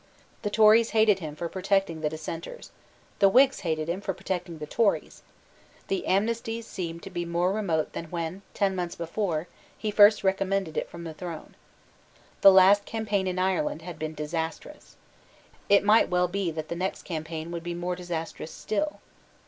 The Tories hated him for protecting the Dissenters. The Whigs hated him for protecting the Tories. The amnesty seemed to be more remote than when, ten months before, he first recommended it from the throne. The last campaign in Ireland had been disastrous. It might well be that the next campaign would be more disastrous still.